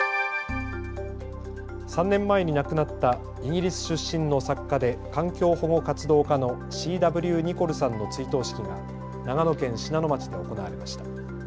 ３年前に亡くなったイギリス出身の作家で環境保護活動家のＣ．Ｗ．ニコルさんの追悼式が長野県信濃町で行われました。